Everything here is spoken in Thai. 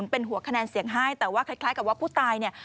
เป็นหัวคะแนนเสียงให้แต่ว่าคล้ายกับว่าผู้ตายเนี่ย